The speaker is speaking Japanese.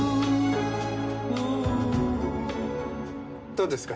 どうですか？